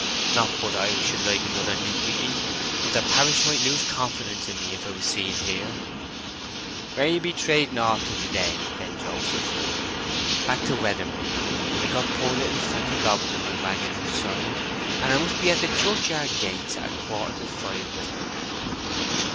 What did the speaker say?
"Not but that I should like another nip with ye; but the parish might lose confidence in me if I was seed here." "Where be ye trading o't to to day, then, Joseph?" "Back to Weatherbury. I've got poor little Fanny Robin in my waggon outside, and I must be at the churchyard gates at a quarter to five with her."